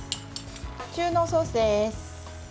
中濃ソースです。